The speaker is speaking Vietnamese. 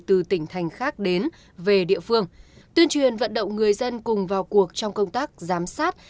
từ tỉnh thành khác đến về địa phương tuyên truyền vận động người dân cùng vào cuộc trong công tác giám sát